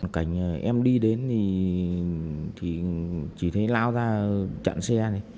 cảnh em đi đến thì chỉ thấy lao ra chặn xe này